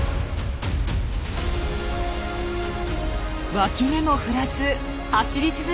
脇目も振らず走り続けています。